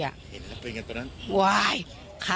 เห็นครับเป็นยังไงตรงนั้น